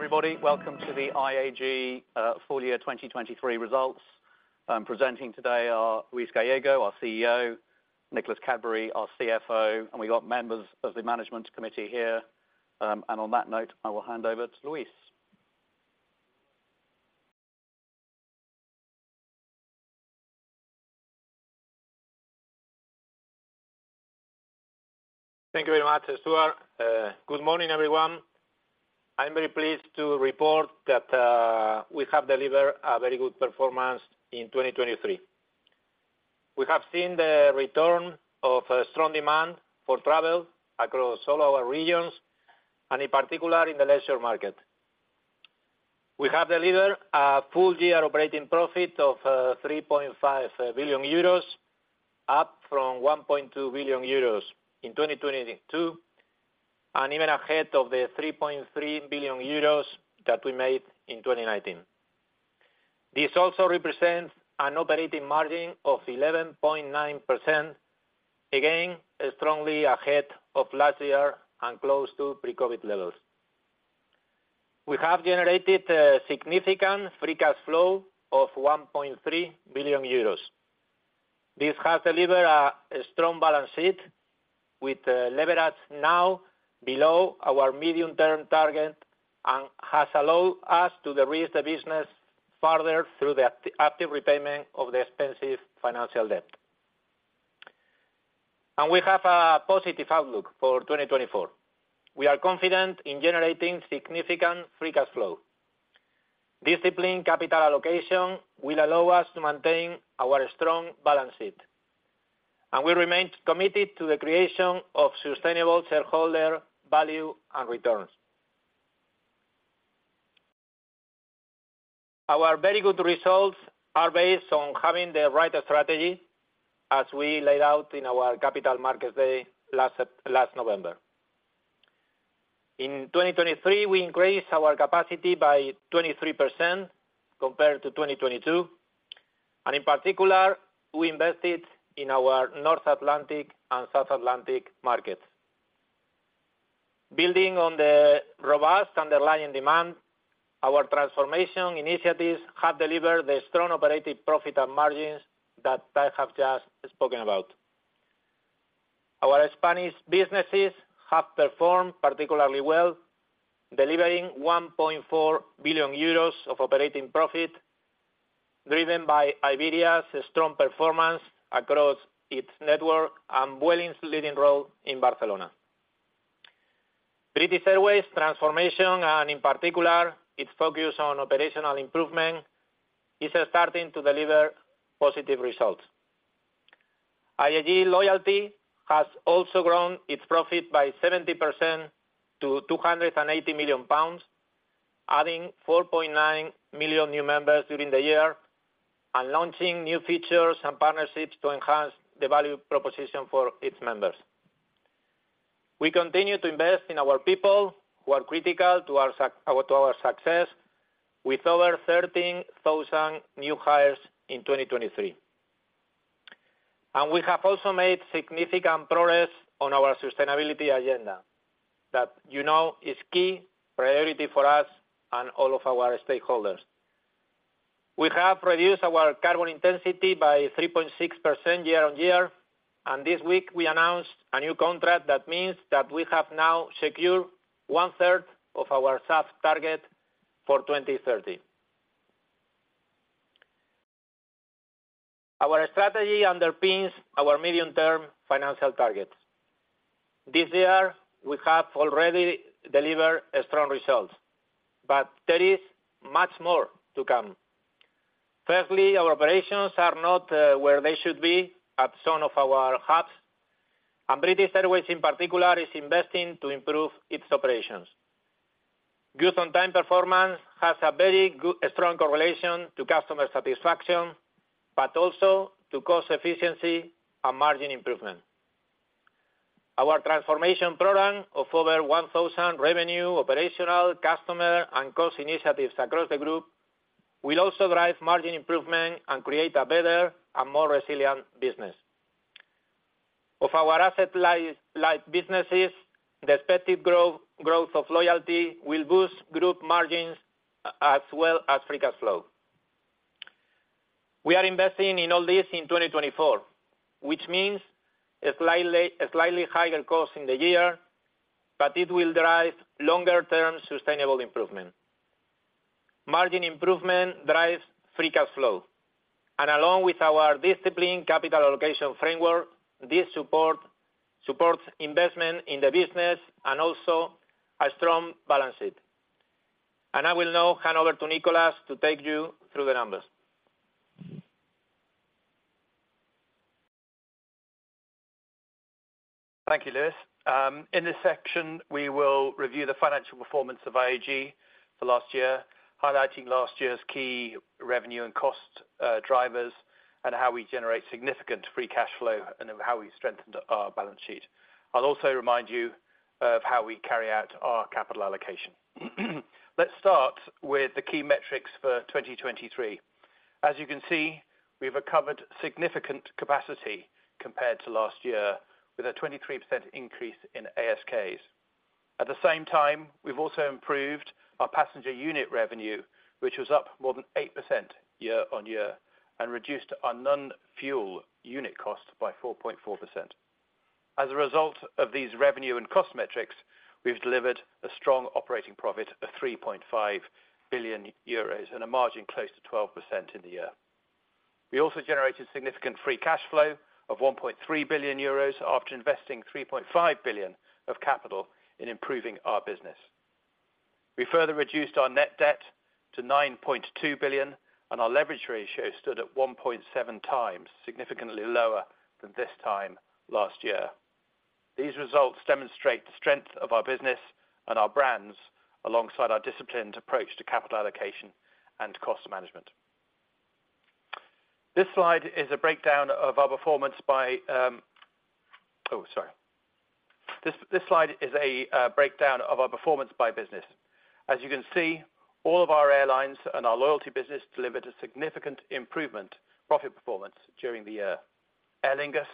Everybody, welcome to the IAG full year 2023 results. Presenting today are Luis Gallego, our CEO, Nicholas Cadbury, our CFO, and we've got members of the management committee here. On that note, I will hand over to Luis. Thank you very much, Estuer. Good morning, everyone. I'm very pleased to report that we have delivered a very good performance in 2023. We have seen the return of strong demand for travel across all our regions, and in particular in the leisure market. We have delivered a full year operating profit of 3.5 billion euros, up from 1.2 billion euros in 2022, and even ahead of the 3.3 billion euros that we made in 2019. This also represents an operating margin of 11.9%, again strongly ahead of last year and close to pre-COVID levels. We have generated a significant free cash flow of 1.3 billion euros. This has delivered a strong balance sheet, with leverage now below our medium-term target, and has allowed us to raise the business farther through the active repayment of the expensive financial debt. We have a positive outlook for 2024. We are confident in generating significant free cash flow. Disciplined capital allocation will allow us to maintain our strong balance sheet. We remain committed to the creation of sustainable shareholder value and returns. Our very good results are based on having the right strategy, as we laid out in our Capital Markets Day last November. In 2023, we increased our capacity by 23% compared to 2022. In particular, we invested in our North Atlantic and South Atlantic markets. Building on the robust underlying demand, our transformation initiatives have delivered the strong operating profit and margins that I have just spoken about. Our Spanish businesses have performed particularly well, delivering 1.4 billion euros of operating profit, driven by Iberia's strong performance across its network and Vueling's leading role in Barcelona. British Airways' transformation, and in particular its focus on operational improvement, is starting to deliver positive results. IAG Loyalty has also grown its profit by 70% to 280 million pounds, adding 4.9 million new members during the year and launching new features and partnerships to enhance the value proposition for its members. We continue to invest in our people, who are critical to our success, with over 13,000 new hires in 2023. We have also made significant progress on our sustainability agenda that you know is a key priority for us and all of our stakeholders. We have reduced our carbon intensity by 3.6% year-on-year. This week, we announced a new contract that means that we have now secured one-third of our SAF target for 2030. Our strategy underpins our medium-term financial targets. This year, we have already delivered strong results. But there is much more to come. Firstly, our operations are not where they should be, at some of our hubs. British Airways, in particular, is investing to improve its operations. Good on-time performance has a very strong correlation to customer satisfaction, but also to cost efficiency and margin improvement. Our transformation program of over 1,000 revenue, operational, customer, and cost initiatives across the group will also drive margin improvement and create a better and more resilient business. Of our asset-like businesses, the expected growth of loyalty will boost group margins as well as free cash flow. We are investing in all this in 2024, which means a slightly higher cost in the year, but it will drive longer-term sustainable improvement. Margin improvement drives free cash flow. Along with our disciplined capital allocation framework, this supports investment in the business and also a strong balance sheet. I will now hand over to Nicholas to take you through the numbers. Thank you, Luis. In this section, we will review the financial performance of IAG for last year, highlighting last year's key revenue and cost drivers and how we generate significant free cash flow and how we strengthened our balance sheet. I'll also remind you of how we carry out our capital allocation. Let's start with the key metrics for 2023. As you can see, we've recovered significant capacity compared to last year, with a 23% increase in ASKs. At the same time, we've also improved our passenger unit revenue, which was up more than 8% year-over-year, and reduced our non-fuel unit cost by 4.4%. As a result of these revenue and cost metrics, we've delivered a strong operating profit of 3.5 billion euros and a margin close to 12% in the year. We also generated significant free cash flow of 1.3 billion euros after investing 3.5 billion of capital in improving our business. We further reduced our net debt to 9.2 billion, and our leverage ratio stood at 1.7 times, significantly lower than this time last year. These results demonstrate the strength of our business and our brands, alongside our disciplined approach to capital allocation and cost management. This slide is a breakdown of our performance by business. As you can see, all of our airlines and our loyalty business delivered a significant improvement profit performance during the year. Aer Lingus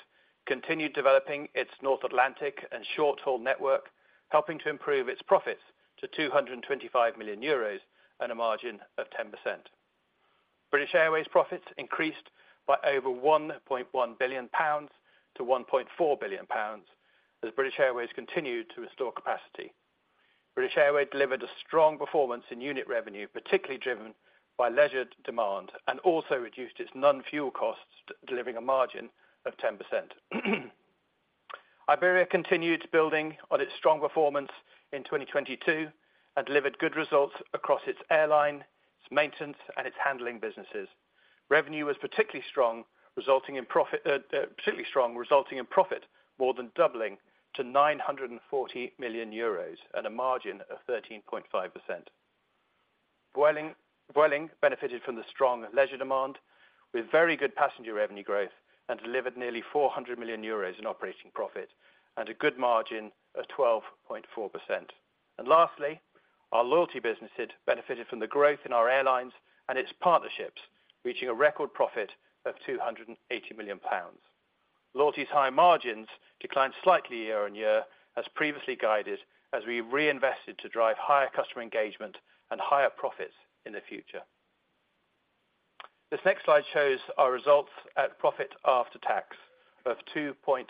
continued developing its North Atlantic and short-haul network, helping to improve its profits to 225 million euros and a margin of 10%. British Airways' profits increased by over 1.1 billion pounds to 1.4 billion pounds as British Airways continued to restore capacity. British Airways delivered a strong performance in unit revenue, particularly driven by leisure demand, and also reduced its non-fuel costs, delivering a margin of 10%. Iberia continued building on its strong performance in 2022 and delivered good results across its airline, its maintenance, and its handling businesses. Revenue was particularly strong, resulting in profit more than doubling to 940 million euros and a margin of 13.5%. Vueling benefited from the strong leisure demand, with very good passenger revenue growth, and delivered nearly 400 million euros in operating profit and a good margin of 12.4%. And lastly, our loyalty businesses benefited from the growth in our airlines and its partnerships, reaching a record profit of 280 million pounds. Loyalty's high margins declined slightly year-over-year, as previously guided, as we reinvested to drive higher customer engagement and higher profits in the future. This next slide shows our results at profit after tax of 2.7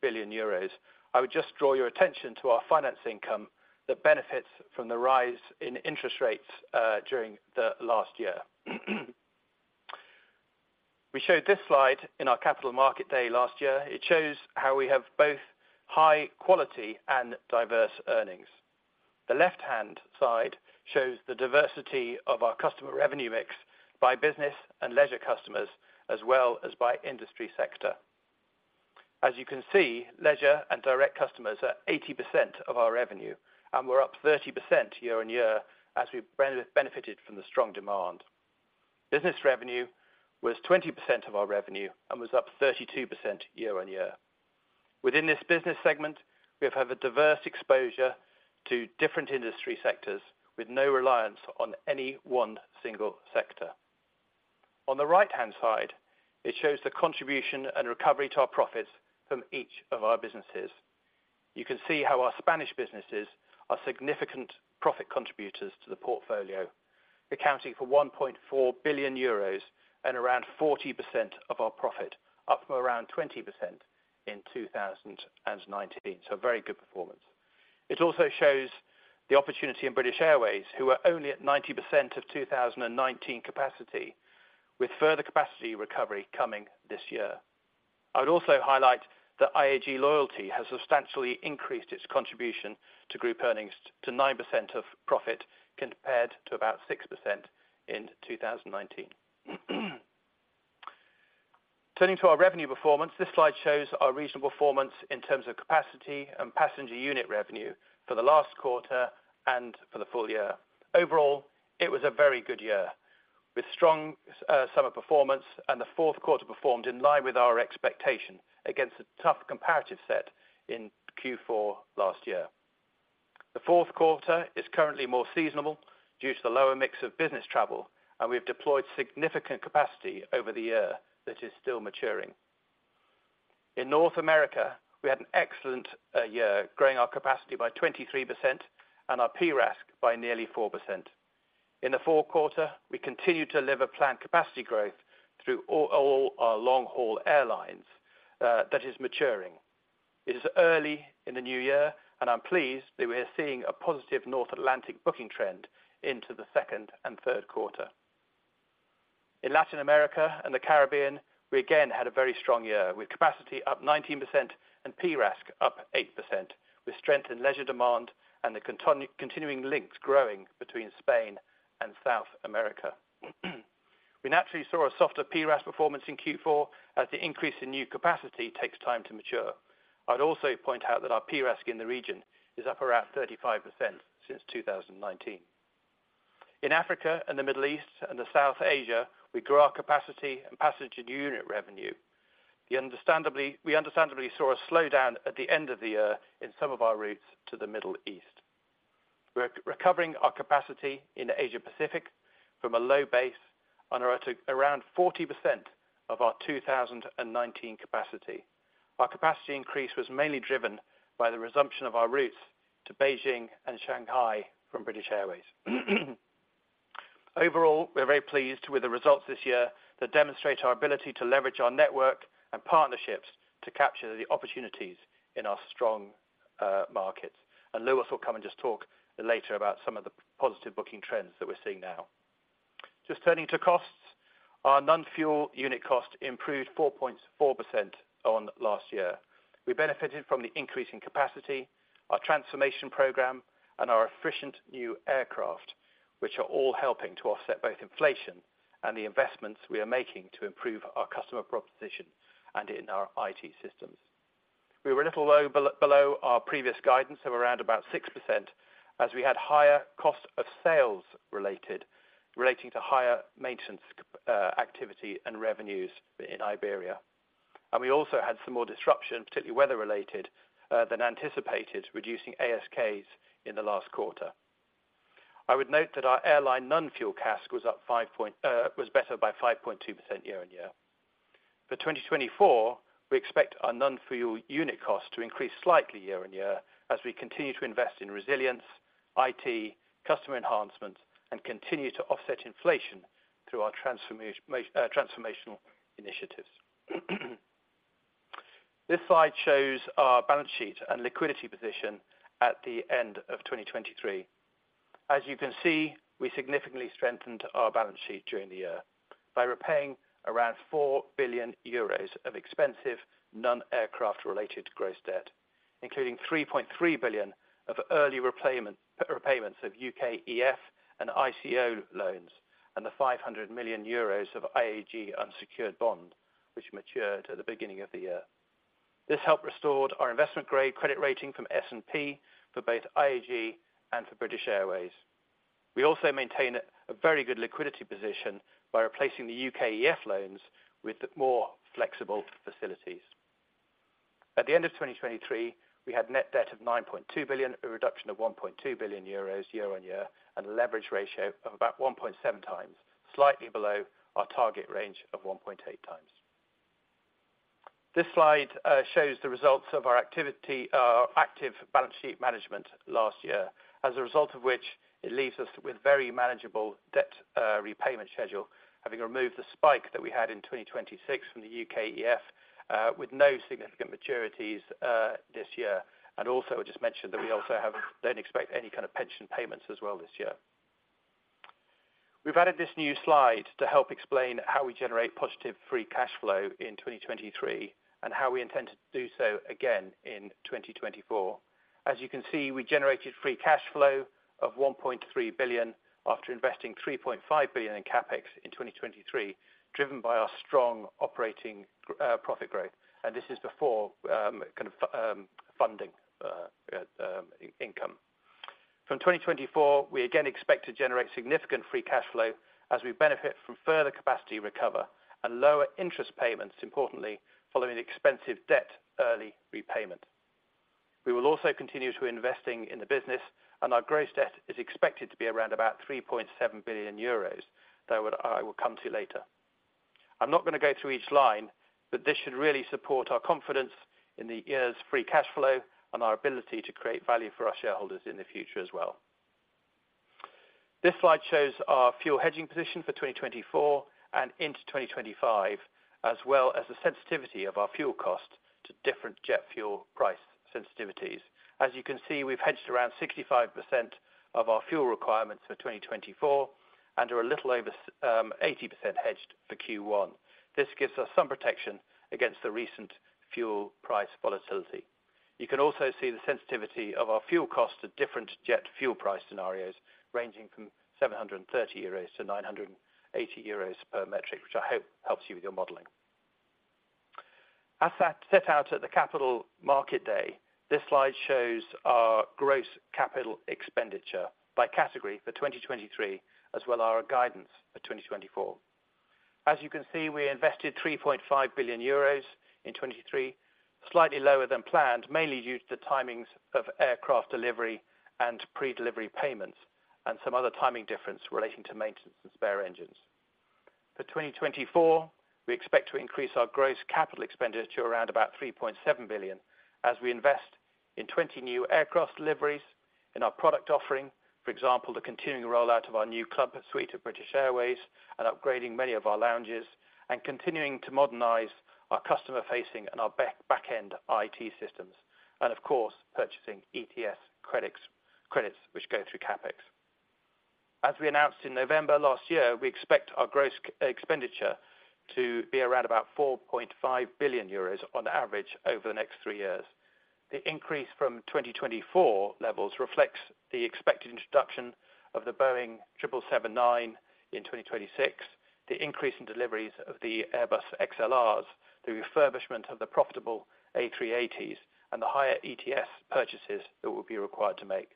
billion euros. I would just draw your attention to our finance income that benefits from the rise in interest rates during the last year. We showed this slide in our Capital Market Day last year. It shows how we have both high quality and diverse earnings. The left-hand side shows the diversity of our customer revenue mix by business and leisure customers, as well as by industry sector. As you can see, leisure and direct customers are 80% of our revenue, and we're up 30% year-on-year, as we benefited from the strong demand. Business revenue was 20% of our revenue and was up 32% year-on-year. Within this business segment, we have had a diverse exposure to different industry sectors, with no reliance on any one single sector. On the right-hand side, it shows the contribution and recovery to our profits from each of our businesses. You can see how our Spanish businesses are significant profit contributors to the portfolio, accounting for 1.4 billion euros and around 40% of our profit, up from around 20% in 2019. So a very good performance. It also shows the opportunity in British Airways, who were only at 90% of 2019 capacity, with further capacity recovery coming this year. I would also highlight that IAG Loyalty has substantially increased its contribution to group earnings to 9% of profit, compared to about 6% in 2019. Turning to our revenue performance, this slide shows our reasonable performance in terms of capacity and passenger unit revenue for the last quarter and for the full year. Overall, it was a very good year, with strong summer performance, and the fourth quarter performed in line with our expectation against a tough comparative set in Q4 last year. The fourth quarter is currently more seasonable due to the lower mix of business travel, and we have deployed significant capacity over the year that is still maturing. In North America, we had an excellent year, growing our capacity by 23% and our PRASK by nearly 4%. In the fourth quarter, we continued to deliver planned capacity growth through all our long-haul airlines that is maturing. It is early in the new year, and I'm pleased that we are seeing a positive North Atlantic booking trend into the second and third quarter. In Latin America and the Caribbean, we again had a very strong year, with capacity up 19% and PRASK up 8%, with strength in leisure demand and the continuing links growing between Spain and South America. We naturally saw a softer PRASK performance in Q4, as the increase in new capacity takes time to mature. I would also point out that our PRASK in the region is up around 35% since 2019. In Africa and the Middle East and the South Asia, we grew our capacity and passenger unit revenue. We understandably saw a slowdown at the end of the year in some of our routes to the Middle East. We're recovering our capacity in Asia-Pacific from a low base and are at around 40% of our 2019 capacity. Our capacity increase was mainly driven by the resumption of our routes to Beijing and Shanghai from British Airways. Overall, we're very pleased with the results this year that demonstrate our ability to leverage our network and partnerships to capture the opportunities in our strong markets. Luis will come and just talk later about some of the positive booking trends that we're seeing now. Just turning to costs, our non-fuel unit cost improved 4.4% on last year. We benefited from the increase in capacity, our transformation program, and our efficient new aircraft, which are all helping to offset both inflation and the investments we are making to improve our customer proposition and in our IT systems. We were a little below our previous guidance of around about 6%, as we had higher cost of sales related to higher maintenance activity and revenues in Iberia. We also had some more disruption, particularly weather-related than anticipated, reducing ASKs in the last quarter. I would note that our airline non-fuel CASK was better by 5.2% year-on-year. For 2024, we expect our non-fuel unit cost to increase slightly year-on-year, as we continue to invest in resilience, IT, customer enhancements, and continue to offset inflation through our transformational initiatives. This slide shows our balance sheet and liquidity position at the end of 2023. As you can see, we significantly strengthened our balance sheet during the year by repaying around 4 billion euros of expensive non-aircraft-related gross debt, including 3.3 billion of early repayments of UKEF and ICO loans and the 500 million euros of IAG unsecured bond, which matured at the beginning of the year. This helped restore our investment-grade credit rating from S&P for both IAG and for British Airways. We also maintain a very good liquidity position by replacing the UKEF loans with more flexible facilities. At the end of 2023, we had net debt of 9.2 billion, a reduction of 1.2 billion euros year-on-year, and a leverage ratio of about 1.7x, slightly below our target range of 1.8x. This slide shows the results of our active balance sheet management last year, as a result of which it leaves us with a very manageable debt repayment schedule, having removed the spike that we had in 2026 from the UKEF, with no significant maturities this year. Also, I just mentioned that we don't expect any kind of pension payments as well this year. We've added this new slide to help explain how we generate positive free cash flow in 2023 and how we intend to do so again in 2024. As you can see, we generated free cash flow of 1.3 billion after investing 3.5 billion in CapEx in 2023, driven by our strong operating profit growth. This is before kind of funding income. From 2024, we again expect to generate significant free cash flow, as we benefit from further capacity recovery and lower interest payments, importantly, following the expensive debt early repayment. We will also continue to invest in the business, and our gross debt is expected to be around about 3.7 billion euros, though I will come to later. I'm not going to go through each line, but this should really support our confidence in the year's free cash flow and our ability to create value for our shareholders in the future as well. This slide shows our fuel hedging position for 2024 and into 2025, as well as the sensitivity of our fuel costs to different jet fuel price sensitivities. As you can see, we've hedged around 65% of our fuel requirements for 2024 and are a little over 80% hedged for Q1. This gives us some protection against the recent fuel price volatility. You can also see the sensitivity of our fuel costs to different jet fuel price scenarios, ranging from 730 euros - 980 euros per metric, which I hope helps you with your modeling. As that set out at the Capital Market Day, this slide shows our gross capital expenditure by category for 2023, as well as our guidance for 2024. As you can see, we invested 3.5 billion euros in 2023, slightly lower than planned, mainly due to the timings of aircraft delivery and pre-delivery payments and some other timing difference relating to maintenance and spare engines. For 2024, we expect to increase our gross capital expenditure around about 3.7 billion, as we invest in 20 new aircraft deliveries, in our product offering, for example, the continuing rollout of our new Club Suite at British Airways and upgrading many of our lounges, and continuing to modernize our customer-facing and our back-end IT systems, and of course, purchasing ETS credits, which go through CapEx. As we announced in November last year, we expect our gross expenditure to be around about 4.5 billion euros on average over the next three years. The increase from 2024 levels reflects the expected introduction of the Boeing 777-9 in 2026, the increase in deliveries of the Airbus XLRs, the refurbishment of the profitable A380s, and the higher ETS purchases that will be required to make.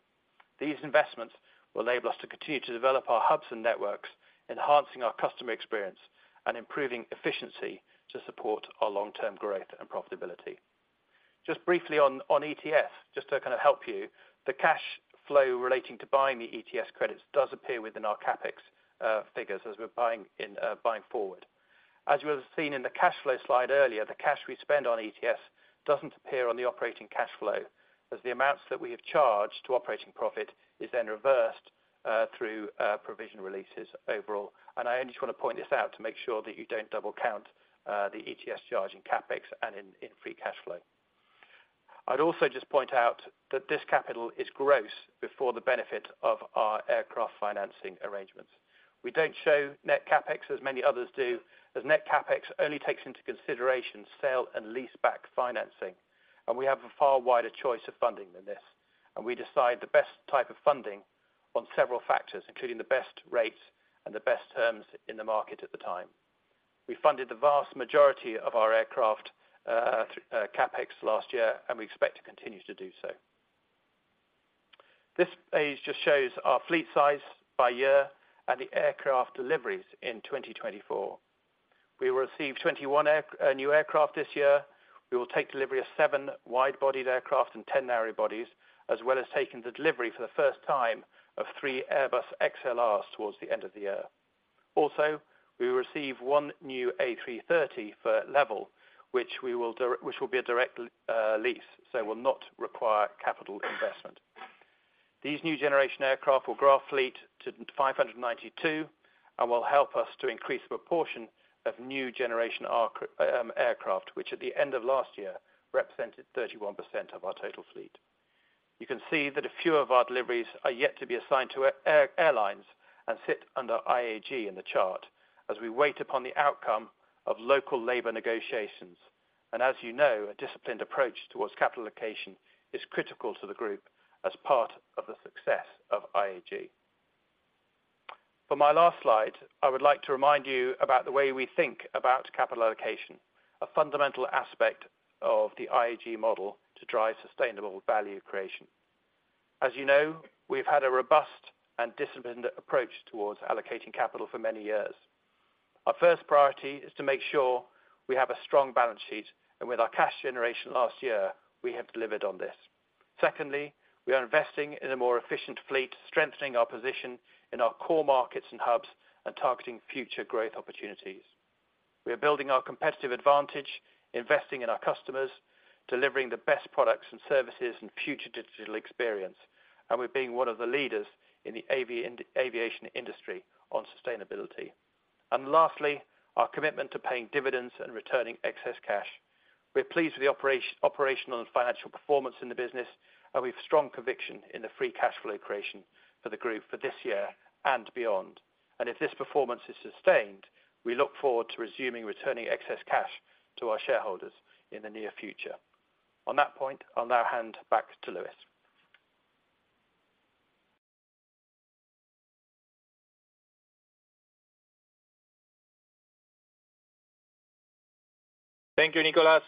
These investments will enable us to continue to develop our hubs and networks, enhancing our customer experience and improving efficiency to support our long-term growth and profitability. Just briefly on ETS, just to kind of help you, the cash flow relating to buying the ETS credits does appear within our CapEx figures as we're buying forward. As you will have seen in the cash flow slide earlier, the cash we spend on ETS doesn't appear on the operating cash flow, as the amounts that we have charged to operating profit is then reversed through provision releases overall. I only just want to point this out to make sure that you don't double count the ETS charge in CapEx and in free cash flow. I'd also just point out that this capital is gross before the benefit of our aircraft financing arrangements. We don't show net CapEx as many others do, as net CapEx only takes into consideration sale and lease-back financing. We have a far wider choice of funding than this. We decide the best type of funding on several factors, including the best rates and the best terms in the market at the time. We funded the vast majority of our aircraft CapEx last year, and we expect to continue to do so. This page just shows our fleet size by year and the aircraft deliveries in 2024. We will receive 21 new aircraft this year. We will take delivery of seven wide-bodied aircraft and 10 narrow-bodies, as well as taking the delivery for the first time of three Airbus A321XLRs towards the end of the year. Also, we will receive one new A330 for LEVEL, which will be a direct lease, so will not require capital investment. These new generation aircraft will grow our fleet to 592 and will help us to increase the proportion of new generation aircraft, which at the end of last year represented 31% of our total fleet. You can see that a few of our deliveries are yet to be assigned to airlines and sit under IAG in the chart, as we wait upon the outcome of local labor negotiations. And as you know, a disciplined approach towards capital allocation is critical to the group as part of the success of IAG. For my last slide, I would like to remind you about the way we think about capital allocation, a fundamental aspect of the IAG model to drive sustainable value creation. As you know, we've had a robust and disciplined approach towards allocating capital for many years. Our first priority is to make sure we have a strong balance sheet, and with our cash generation last year, we have delivered on this. Secondly, we are investing in a more efficient fleet, strengthening our position in our core markets and hubs, and targeting future growth opportunities. We are building our competitive advantage, investing in our customers, delivering the best products and services and future digital experience, and we're being one of the leaders in the aviation industry on sustainability. And lastly, our commitment to paying dividends and returning excess cash. We're pleased with the operational and financial performance in the business, and we have strong conviction in the free cash flow creation for the group for this year and beyond. And if this performance is sustained, we look forward to resuming returning excess cash to our shareholders in the near future. On that point, I'll now hand back to Luis. Thank you, Nicholas.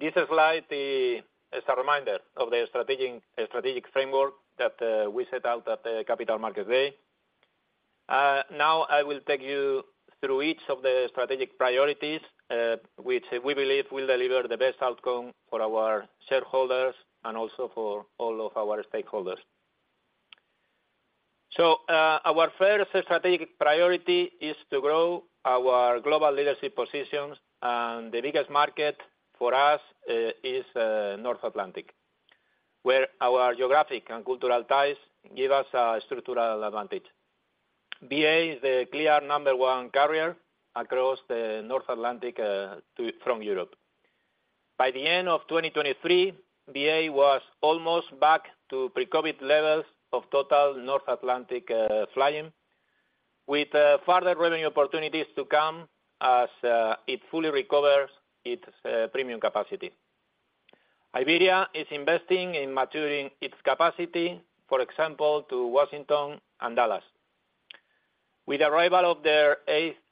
This slide is a reminder of the strategic framework that we set out at the Capital Market Day. Now I will take you through each of the strategic priorities, which we believe will deliver the best outcome for our shareholders and also for all of our stakeholders. So our first strategic priority is to grow our global leadership positions, and the biggest market for us is North Atlantic, where our geographic and cultural ties give us a structural advantage. BA is the clear number one carrier across the North Atlantic from Europe. By the end of 2023, BA was almost back to pre-COVID levels of total North Atlantic flying, with further revenue opportunities to come as it fully recovers its premium capacity. Iberia is investing in maturing its capacity, for example, to Washington and Dallas. With the arrival of their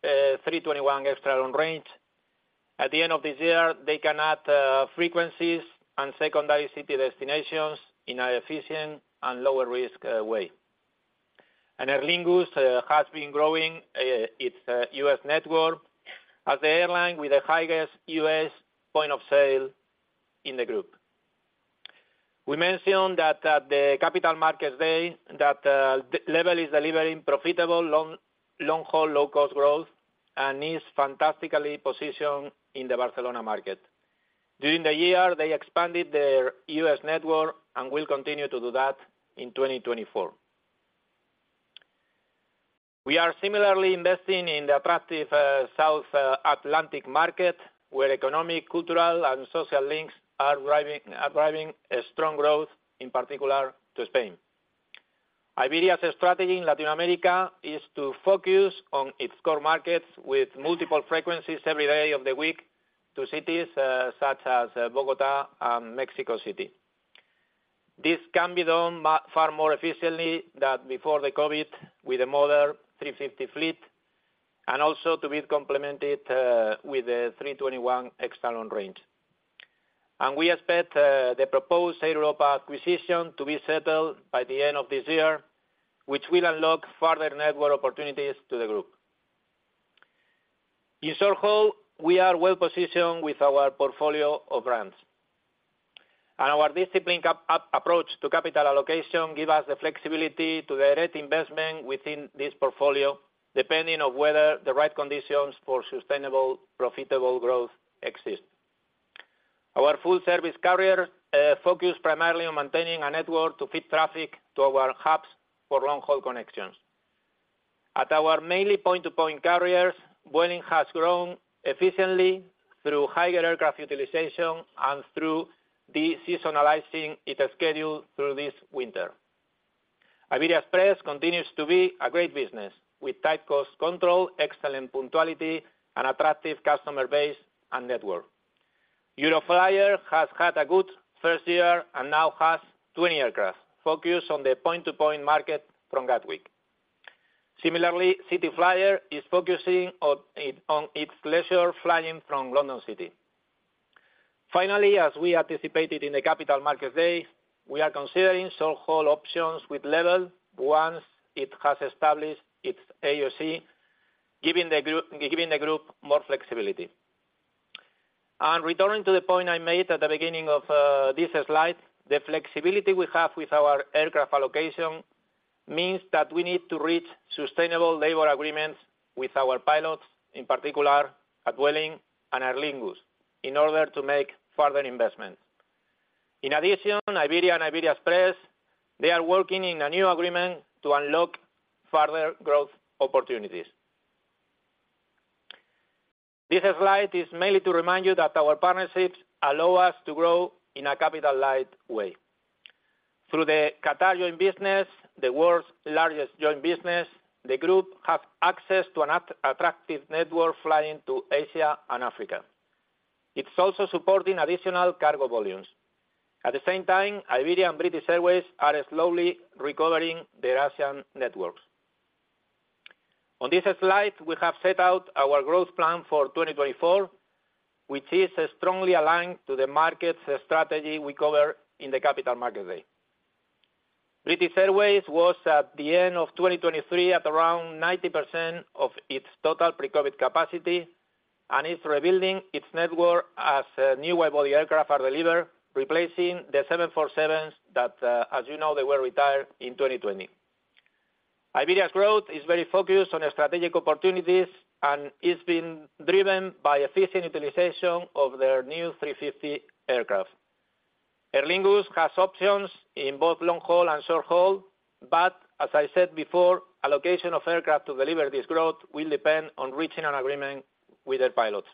A321 extra-long range, at the end of this year, they can add frequencies and secondary city destinations in an efficient and lower-risk way. Aer Lingus has been growing its U.S. network as the airline with the highest U.S. point of sale in the group. We mentioned that at the Capital Markets Day that LEVEL is delivering profitable long-haul low-cost growth and is fantastically positioned in the Barcelona market. During the year, they expanded their U.S. network and will continue to do that in 2024. We are similarly investing in the attractive South Atlantic market, where economic, cultural, and social links are driving strong growth, in particular to Spain. Iberia's strategy in Latin America is to focus on its core markets with multiple frequencies every day of the week to cities such as Bogotá and Mexico City. This can be done far more efficiently than before the COVID with the modern A350 fleet, and also to be complemented with the A321 extra-long range. We expect the proposed Air Europa acquisition to be settled by the end of this year, which will unlock further network opportunities to the group. In short haul, we are well positioned with our portfolio of brands. Our disciplined approach to capital allocation gives us the flexibility to direct investment within this portfolio, depending on whether the right conditions for sustainable profitable growth exist. Our full-service carrier focuses primarily on maintaining a network to feed traffic to our hubs for long-haul connections. At our mainly point-to-point carriers, Vueling has grown efficiently through higher aircraft utilization and through deseasonalizing its schedule through this winter. Iberia Express continues to be a great business with tight cost control, excellent punctuality, and attractive customer base and network. Euroflyer has had a good first year and now has 20 aircraft, focused on the point-to-point market from Gatwick. Similarly, CityFlyer is focusing on its leisure flying from London City. Finally, as we anticipated in the Capital Markets Day, we are considering short-haul options with LEVEL once it has established its AOC, giving the group more flexibility. Returning to the point I made at the beginning of this slide, the flexibility we have with our aircraft allocation means that we need to reach sustainable labor agreements with our pilots, in particular at British Airways and Aer Lingus, in order to make further investments. In addition, Iberia and Iberia Express, they are working in a new agreement to unlock further growth opportunities. This slide is mainly to remind you that our partnerships allow us to grow in a capital-light way. Through the Qatar joint business, the world's largest joint business, the group has access to an attractive network flying to Asia and Africa. It's also supporting additional cargo volumes. At the same time, Iberia and British Airways are slowly recovering their Asian networks. On this slide, we have set out our growth plan for 2024, which is strongly aligned to the markets strategy we covered in the Capital Markets Day. British Airways was at the end of 2023 at around 90% of its total pre-COVID capacity, and it's rebuilding its network as new widebody aircraft are delivered, replacing the 747s that, as you know, they were retired in 2020. Iberia's growth is very focused on strategic opportunities and is being driven by efficient utilization of their new A350 aircraft. Aer Lingus has options in both long-haul and short-haul, but as I said before, allocation of aircraft to deliver this growth will depend on reaching an agreement with their pilots.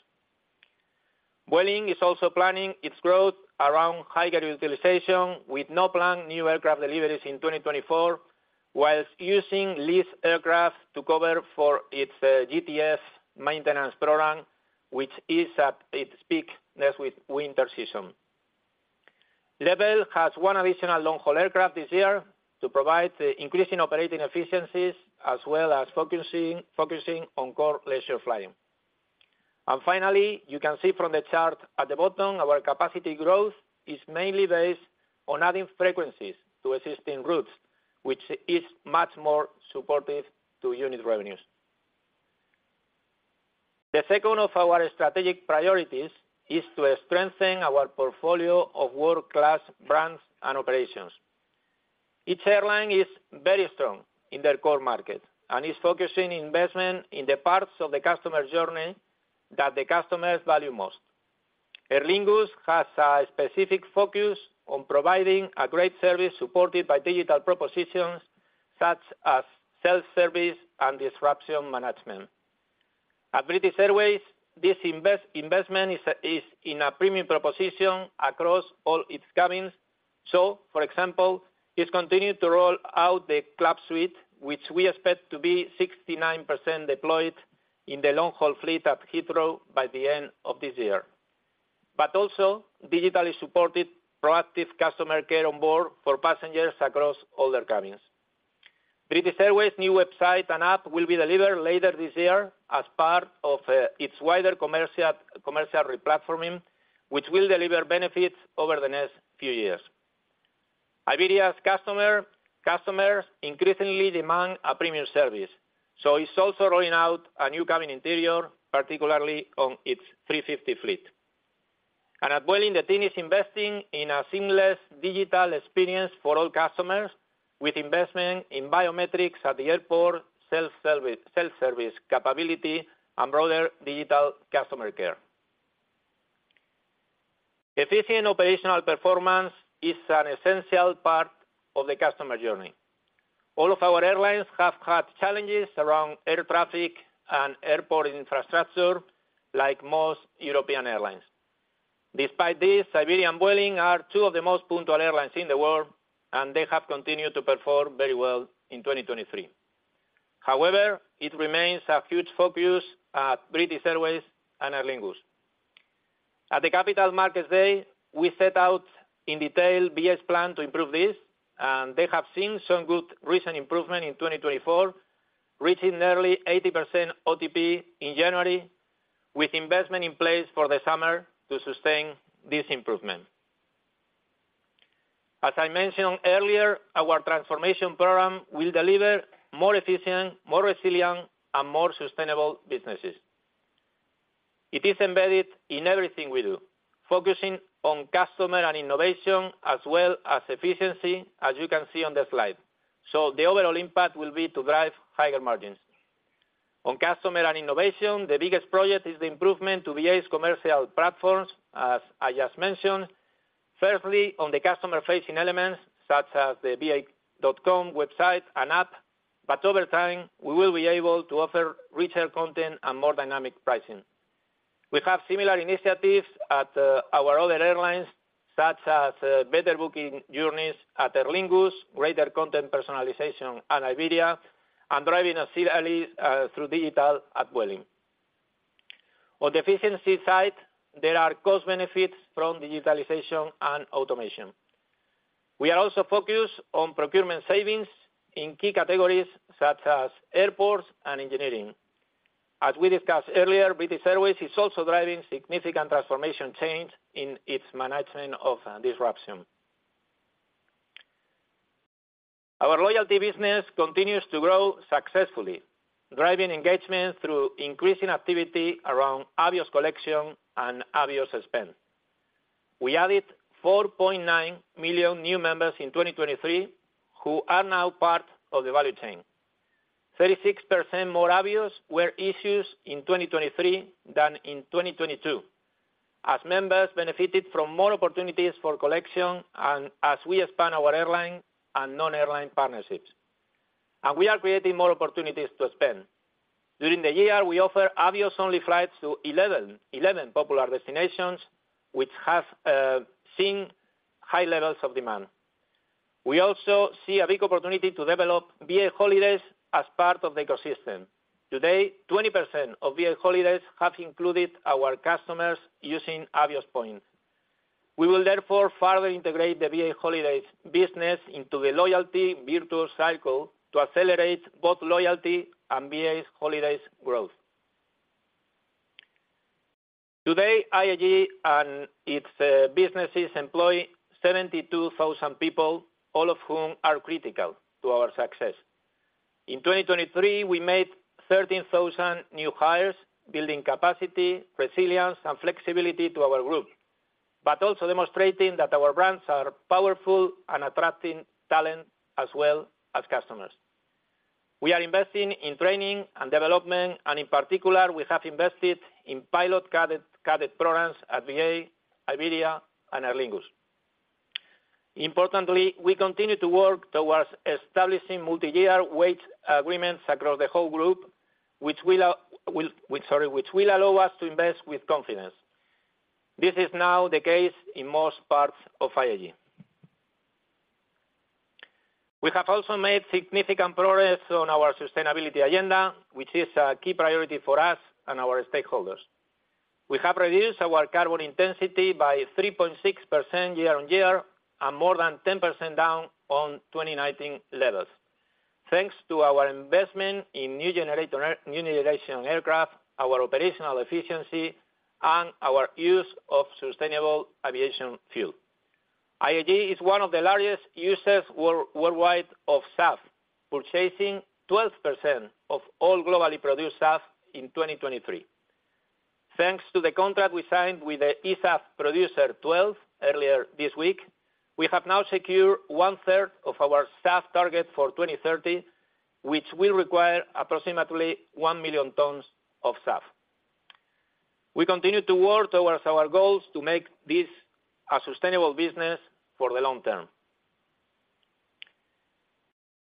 Boeing is also planning its growth around higher utilization with no planned new aircraft deliveries in 2024, while using leased aircraft to cover for its GTF maintenance program, which is at its peak next winter season. LEVEL has one additional long-haul aircraft this year to provide increasing operating efficiencies, as well as focusing on core leisure flying. Finally, you can see from the chart at the bottom, our capacity growth is mainly based on adding frequencies to existing routes, which is much more supportive to unit revenues. The second of our strategic priorities is to strengthen our portfolio of world-class brands and operations. Each airline is very strong in their core market and is focusing investment in the parts of the customer journey that the customers value most. Aer Lingus has a specific focus on providing a great service supported by digital propositions such as self-service and disruption management. At British Airways, this investment is in a premium proposition across all its cabins. So, for example, it continues to roll out the Club Suite, which we expect to be 69% deployed in the long-haul fleet at Heathrow by the end of this year. But also, digitally supported proactive customer care on board for passengers across all their cabins. British Airways' new website and app will be delivered later this year as part of its wider commercial replatforming, which will deliver benefits over the next few years. Iberia's customers increasingly demand a premium service, so it's also rolling out a new cabin interior, particularly on its A350 fleet. And at Vueling, the team is investing in a seamless digital experience for all customers, with investment in biometrics at the airport, self-service capability, and broader digital customer care. Efficient operational performance is an essential part of the customer journey. All of our airlines have had challenges around air traffic and airport infrastructure, like most European airlines. Despite this, Iberia and Vueling are two of the most punctual airlines in the world, and they have continued to perform very well in 2023. However, it remains a huge focus at British Airways and Aer Lingus. At the Capital Markets Day, we set out in detail BA's plan to improve this, and they have seen some good recent improvement in 2024, reaching nearly 80% OTP in January, with investment in place for the summer to sustain this improvement. As I mentioned earlier, our transformation program will deliver more efficient, more resilient, and more sustainable businesses. It is embedded in everything we do, focusing on customer and innovation, as well as efficiency, as you can see on the slide. So the overall impact will be to drive higher margins. On customer and innovation, the biggest project is the improvement to BA's commercial platforms, as I just mentioned, firstly, on the customer-facing elements such as the ba.com website and app, but over time, we will be able to offer richer content and more dynamic pricing. We have similar initiatives at our other airlines, such as better booking journeys at Aer Lingus, greater content personalization at Iberia, and driving a seamless experience through digital at Vueling. On the efficiency side, there are cost benefits from digitalization and automation. We are also focused on procurement savings in key categories such as airports and engineering. As we discussed earlier, British Airways is also driving significant transformational change in its management of disruption. Our loyalty business continues to grow successfully, driving engagement through increasing activity around Avios collection and Avios spend. We added 4.9 million new members in 2023 who are now part of the value chain. 36% more Avios were issued in 2023 than in 2022, as members benefited from more opportunities for collection and as we expand our airline and non-airline partnerships. And we are creating more opportunities to spend. During the year, we offer Avios-only flights to 11 popular destinations, which have seen high levels of demand. We also see a big opportunity to develop BA Holidays as part of the ecosystem. Today, 20% of BA Holidays have included our customers using Avios points. We will, therefore, further integrate the BA Holidays business into the loyalty virtual cycle to accelerate both loyalty and BA Holidays growth. Today, IAG and its businesses employ 72,000 people, all of whom are critical to our success. In 2023, we made 13,000 new hires, building capacity, resilience, and flexibility to our group, but also demonstrating that our brands are powerful and attracting talent, as well as customers. We are investing in training and development, and in particular, we have invested in pilot credit programs at BA, Iberia, and Aer Lingus. Importantly, we continue to work towards establishing multi-year wage agreements across the whole group, which will allow us to invest with confidence. This is now the case in most parts of IAG. We have also made significant progress on our sustainability agenda, which is a key priority for us and our stakeholders. We have reduced our carbon intensity by 3.6% year-over-year and more than 10% down on 2019 levels, thanks to our investment in new generation aircraft, our operational efficiency, and our use of sustainable aviation fuel. IAG is one of the largest users worldwide of SAF, purchasing 12% of all globally produced SAF in 2023. Thanks to the contract we signed with the eSAF producer Twelve earlier this week, we have now secured one-third of our SAF target for 2030, which will require approximately 1 million tons of SAF. We continue to work towards our goals to make this a sustainable business for the long term.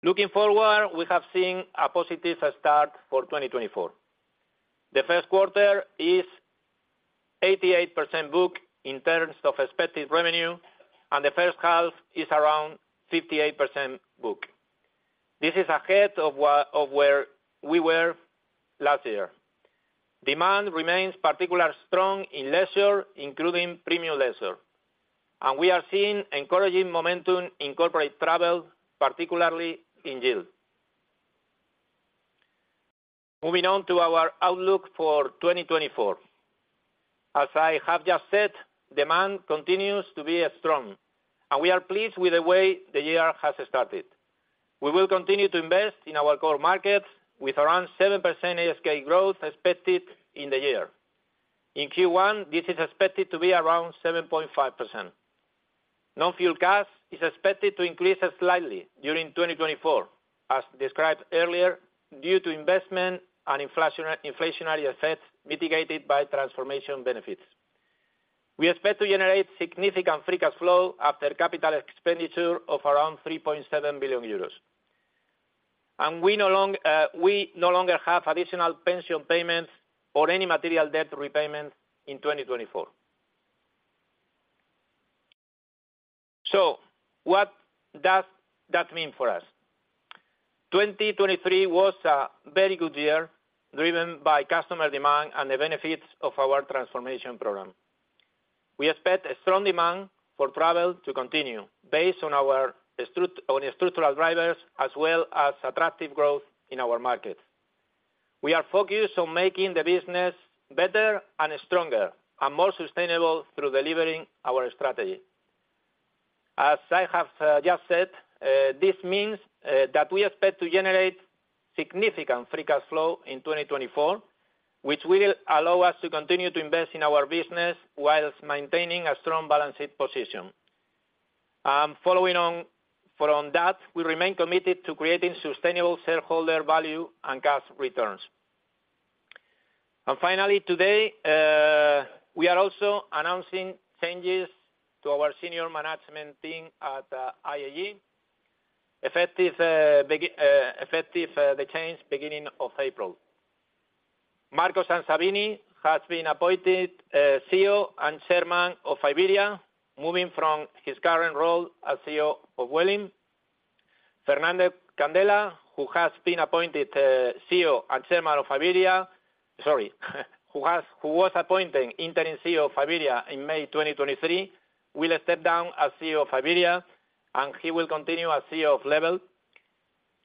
Looking forward, we have seen a positive start for 2024. The first quarter is 88% book in terms of expected revenue, and the first half is around 58% book. This is ahead of where we were last year. Demand remains particularly strong in leisure, including premium leisure. And we are seeing encouraging momentum in corporate travel, particularly in yield. Moving on to our outlook for 2024. As I have just said, demand continues to be strong, and we are pleased with the way the year has started. We will continue to invest in our core markets with around 7% ASK growth expected in the year. In Q1, this is expected to be around 7.5%. Non-fuel CASK is expected to increase slightly during 2024, as described earlier, due to investment and inflationary effects mitigated by transformation benefits. We expect to generate significant free cash flow after capital expenditure of around 3.7 billion euros. We no longer have additional pension payments or any material debt repayments in 2024. So what does that mean for us? 2023 was a very good year, driven by customer demand and the benefits of our transformation program. We expect strong demand for travel to continue, based on our structural drivers, as well as attractive growth in our markets. We are focused on making the business better and stronger and more sustainable through delivering our strategy. As I have just said, this means that we expect to generate significant free cash flow in 2024, which will allow us to continue to invest in our business whilst maintaining a strong balanced position. Following on from that, we remain committed to creating sustainable shareholder value and cash returns. Finally, today, we are also announcing changes to our senior management team at IAG, effective the change beginning of April. Marco Sansavini has been appointed CEO and chairman of Iberia, moving from his current role as CEO of Boeing. Fernando Candela, who has been appointed CEO and chairman of Iberia sorry, who was appointed interim CEO of Iberia in May 2023, will step down as CEO of Iberia, and he will continue as CEO of LEVEL.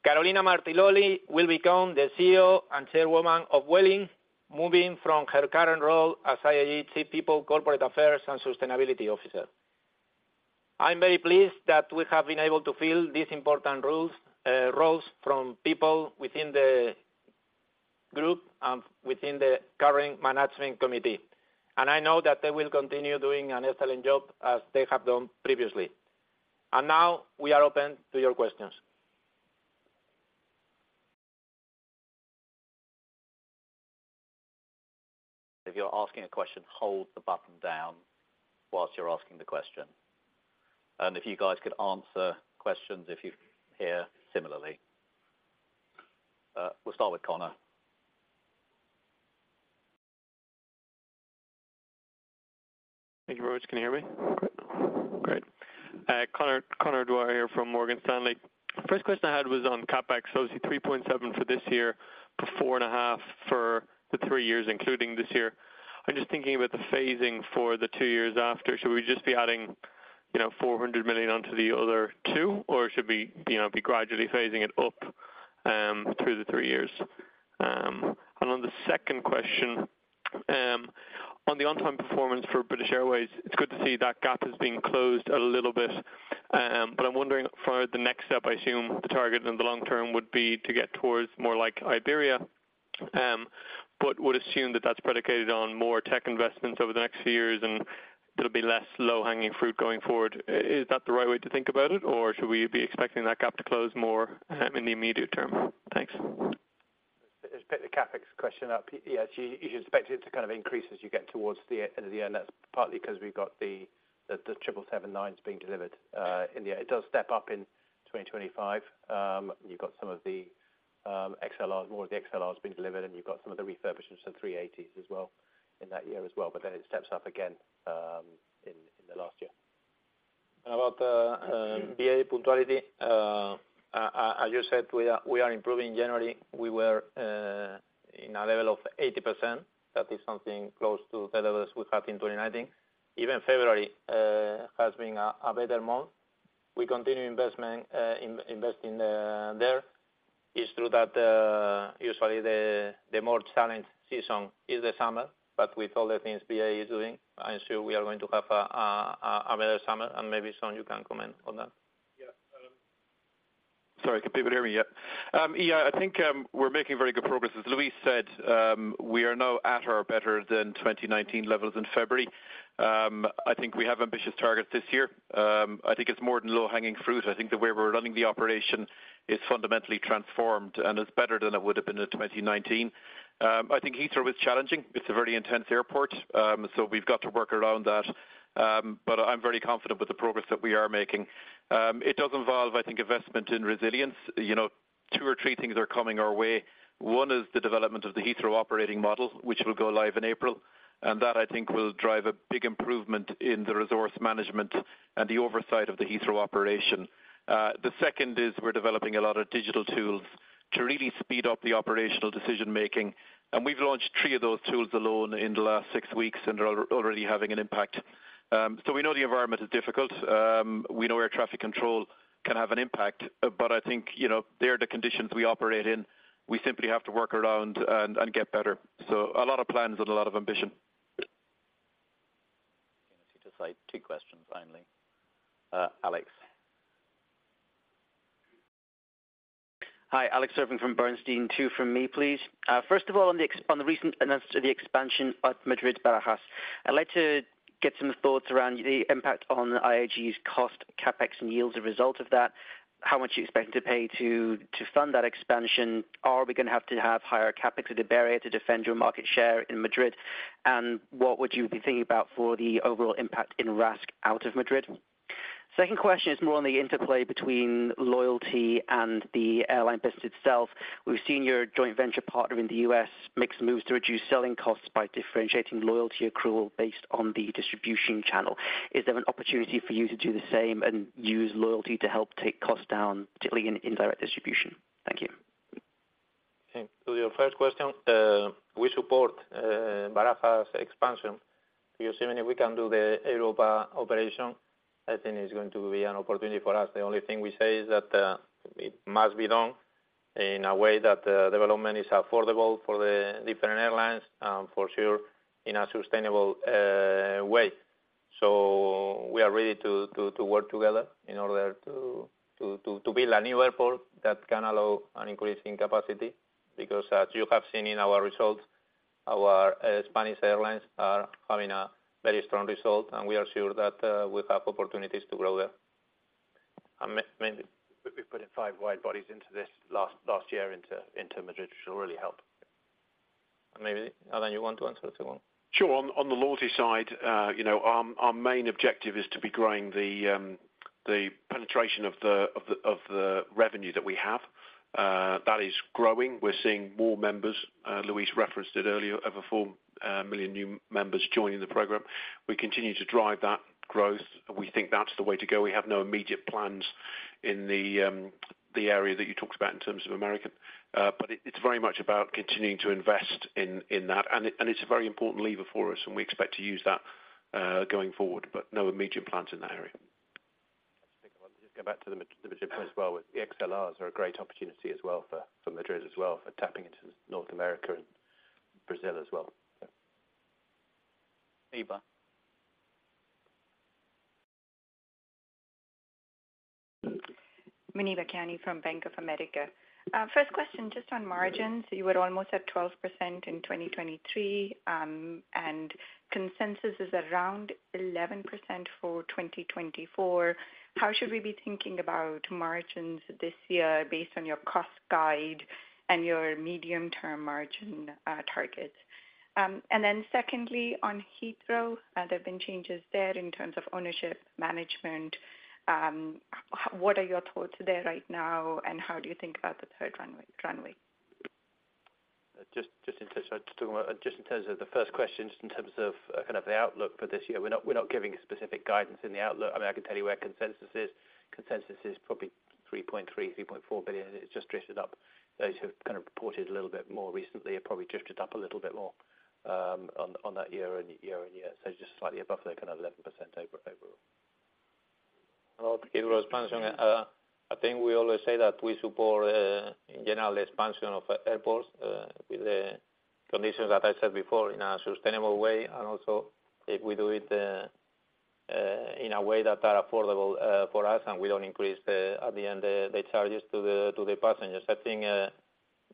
Carolina Martinoli will become the CEO and chairwoman of Vueling, moving from her current role as IAG Chief People, Corporate Affairs and Sustainability Officer. I'm very pleased that we have been able to fill these important roles from people within the group and within the current management committee. I know that they will continue doing an excellent job as they have done previously. Now, we are open to your questions. If you're asking a question, hold the button down while you're asking the question. If you guys could answer questions if you hear similarly. We'll start with Conor. Thank you. Can you hear me? Great. Conor Dwyer here from Morgan Stanley. First question I had was on CapEx, obviously, 3.7 for this year, 4.5 for the three years, including this year. I'm just thinking about the phasing for the two years after. Should we just be adding 400 million onto the other two, or should we gradually phasing it up through the three years? On the second question, on the on-time performance for British Airways, it's good to see that gap has been closed a little bit. But I'm wondering, for the next step, I assume the target in the long term would be to get towards more like Iberia, but would assume that that's predicated on more tech investments over the next few years and there'll be less low-hanging fruit going forward. Is that the right way to think about it, or should we be expecting that gap to close more in the immediate term? Thanks. Let's pick the CapEx question up. Yes, you should expect it to kind of increase as you get towards the end of the year. And that's partly because we've got the 777-9s being delivered in the year. It does step up in 2025. You've got some of the XLRs, more of the XLRs being delivered, and you've got some of the refurbishments of 380s as well in that year as well. But then it steps up again in the last year. And about the BA punctuality, as you said, we are improving. January, we were in a level of 80%. That is something close to the levels we had in 2019. Even February has been a better month. We continue investing there. It's true that usually, the more challenged season is the summer, but with all the things BA is doing, I'm sure we are going to have a better summer. And maybe, Sean, you can comment on that. Yeah. Sorry, can people hear me yet? Yeah, I think we're making very good progress. As Luis said, we are now at or better than 2019 levels in February. I think we have ambitious targets this year. I think it's more than low-hanging fruit. I think the way we're running the operation is fundamentally transformed and is better than it would have been in 2019. I think Heathrow is challenging. It's a very intense airport, so we've got to work around that. But I'm very confident with the progress that we are making. It does involve, I think, investment in resilience. Two or three things are coming our way. One is the development of the Heathrow operating model, which will go live in April. And that, I think, will drive a big improvement in the resource management and the oversight of the Heathrow operation. The second is we're developing a lot of digital tools to really speed up the operational decision-making. And we've launched three of those tools alone in the last six weeks, and they're already having an impact. So we know the environment is difficult. We know air traffic control can have an impact. But I think they're the conditions we operate in. We simply have to work around and get better. So a lot of plans and a lot of ambition. Can I see two questions, only? Alex. Hi, Alex Irving from Bernstein. Two from me, please. First of all, on the recent announcement of the expansion at Madrid Barajas, I'd like to get some thoughts around the impact on IAG's cost, CapEx, and yields as a result of that, how much you're expecting to pay to fund that expansion. Are we going to have to have higher CapEx or the barrier to defend your market share in Madrid? And what would you be thinking about for the overall impact in RASK out of Madrid? Second question is more on the interplay between loyalty and the airline business itself. We've seen your joint venture partner in the U.S. make some moves to reduce selling costs by differentiating loyalty accrual based on the distribution channel. Is there an opportunity for you to do the same and use loyalty to help take costs down, particularly in direct distribution? Thank you. Thank you. First question, we support Barajas expansion. Because even if we can do the European operation, I think it's going to be an opportunity for us. The only thing we say is that it must be done in a way that development is affordable for the different airlines, for sure, in a sustainable way. So we are ready to work together in order to build a new airport that can allow an increase in capacity. Because, as you have seen in our results, our Spanish airlines are having a very strong result, and we are sure that we have opportunities to grow there. And maybe we've put in five wide bodies into this last year into Madrid, which will really help. And maybe, Adam, you want to answer the second one? Sure. On the loyalty side, our main objective is to be growing the penetration of the revenue that we have. That is growing. We're seeing more members, Luis referenced it earlier, over four million new members joining the program. We continue to drive that growth. We think that's the way to go. We have no immediate plans in the area that you talked about in terms of American. But it's very much about continuing to invest in that. And it's a very important lever for us, and we expect to use that going forward. But no immediate plans in that area. Let's just go back to the Madrid point as well. The XLRs are a great opportunity as well for Madrid as well, for tapping into North America and Brazil as well. Iberia. Muneeba Sheridan from Bank of America. First question, just on margins. You were almost at 12% in 2023, and consensus is around 11% for 2024. How should we be thinking about margins this year based on your cost guide and your medium-term margin targets? And then secondly, on Heathrow, there have been changes there in terms of ownership, management. What are your thoughts there right now, and how do you think about the third runway? Just in touch. Just in terms of the first question, just in terms of kind of the outlook for this year, we're not giving specific guidance in the outlook. I mean, I can tell you where consensus is. Consensus is probably 3.3 billion-3.4 billion. It's just drifted up. Those who have kind of reported a little bit more recently have probably drifted up a little bit more on that year and year and year. So just slightly above their kind of 11% overall. Thank you. I think we always say that we support, in general, the expansion of airports with the conditions that I said before, in a sustainable way. And also, if we do it in a way that are affordable for us and we don't increase, at the end, the charges to the passengers, I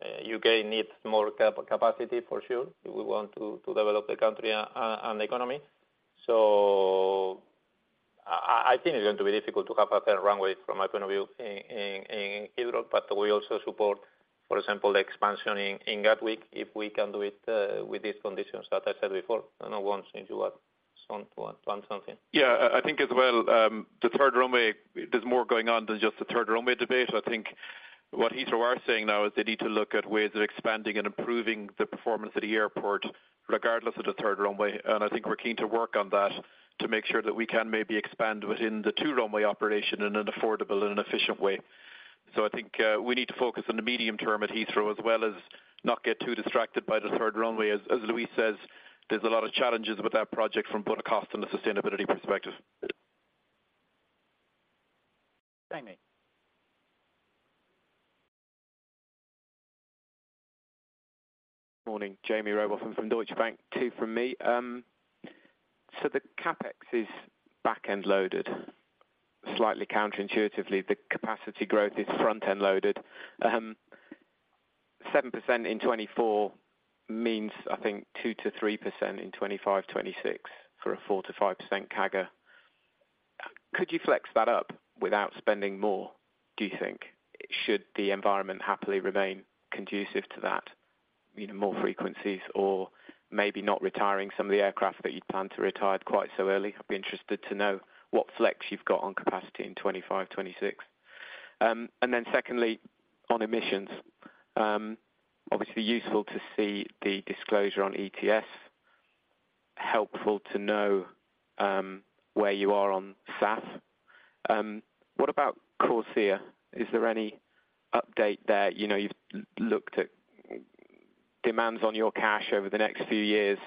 think the UK needs more capacity, for sure, if we want to develop the country and the economy. So I think it's going to be difficult to have a third runway, from my point of view, in Heathrow. But we also support, for example, the expansion in Gatwick if we can do it with these conditions that I said before. I don't know. Want to add something? Yeah, I think as well, the third runway there's more going on than just the third runway debate. I think what Heathrow are saying now is they need to look at ways of expanding and improving the performance of the airport regardless of the third runway. I think we're keen to work on that to make sure that we can maybe expand within the two runway operation in an affordable and an efficient way. So I think we need to focus on the medium term at Heathrow as well as not get too distracted by the third runway. As Luis says, there's a lot of challenges with that project from both a cost and a sustainability perspective. Thank you. Good morning. Jamie Rowbotham from Deutsche Bank. Two from me. So the CapEx is backend-loaded, slightly counterintuitively. The capacity growth is frontend-loaded. 7% in 2024 means, I think, 2%-3% in 2025, 2026 for a 4%-5% CAGR. Could you flex that up without spending more, do you think, should the environment happily remain conducive to that, more frequencies, or maybe not retiring some of the aircraft that you'd planned to retire quite so early? I'd be interested to know what flex you've got on capacity in 2025, 2026. And then secondly, on emissions, obviously, useful to see the disclosure on ETS, helpful to know where you are on SAF. What about CORSIA? Is there any update there? You've looked at demands on your cash over the next few years.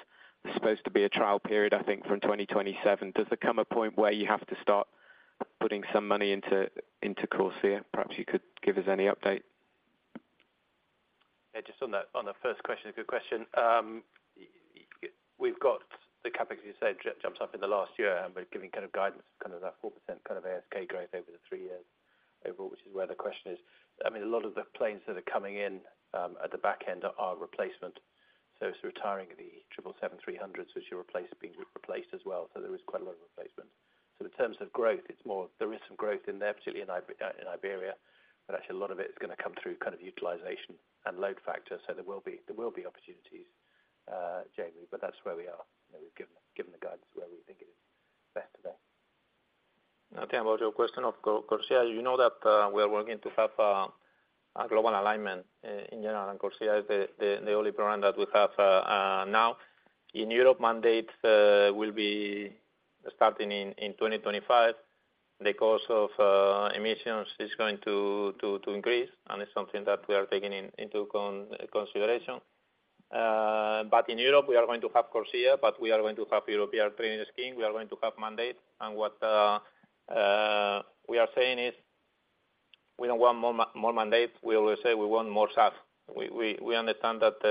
There's supposed to be a trial period, I think, from 2027. Does there come a point where you have to start putting some money into CORSIA? Perhaps you could give us any update. Yeah, just on the first question, it's a good question. We've got the CapEx, as you said, jumps up in the last year, and we're giving kind of guidance for kind of that 4% kind of ASK growth over the three years overall, which is where the question is. I mean, a lot of the planes that are coming in at the backend are replacement. So it's retiring the 777-300s, which are being replaced as well. So there is quite a lot of replacement. So in terms of growth, it's more there is some growth in there, particularly in Iberia. But actually, a lot of it's going to come through kind of utilization and load factor. So there will be opportunities, Jamie. But that's where we are. We've given the guidance where we think it is best today. Now, Jim, about your question of CORSIA, you know that we are working to have a global alignment in general. CORSIA is the only program that we have now. In Europe, mandates will be starting in 2025. The cost of emissions is going to increase, and it's something that we are taking into consideration. But in Europe, we are going to have CORSIA, but we are going to have European Trading Scheme. We are going to have mandates. And what we are saying is we don't want more mandates. We always say we want more SAF. We understand that